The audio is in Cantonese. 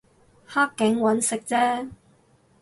黑警搵食啫